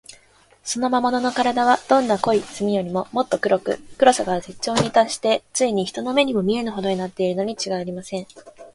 その魔物のからだは、どんな濃い墨よりも、もっと黒く、黒さが絶頂にたっして、ついに人の目にも見えぬほどになっているのにちがいありません。